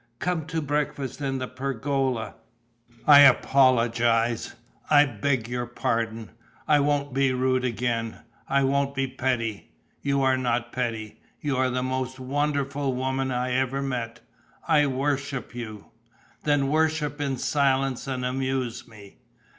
Come to breakfast in the pergola. I apologize, I beg your pardon. I won't be rude again, I won't be petty. You are not petty. You are the most wonderful woman I ever met. I worship you." "Then worship in silence and amuse me."